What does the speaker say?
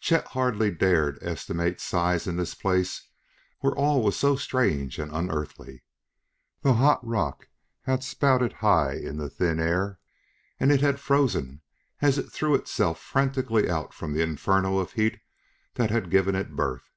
Chet hardly dared estimate size in this place where all was so strange and unearthly. The hot rock had spouted high in the thin air, and it had frozen as it threw itself frantically out from the inferno of heat that had given it birth.